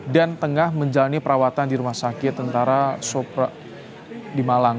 dan tengah menjalani perawatan di rumah sakit tentara sopra di malang